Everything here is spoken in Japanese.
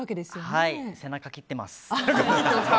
背中斬ってます。